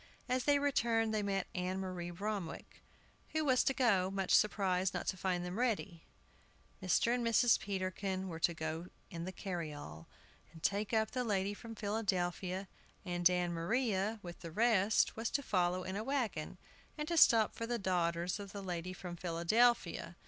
As they returned they met Ann Maria Bromwick, who was to go, much surprised not to find them ready. Mr. and Mrs. Peterkin were to go in the carryall, and take up the lady from Philadelphia, and Ann Maria, with the rest, was to follow in a wagon, and to stop for the daughters of the lady from Philadelphia.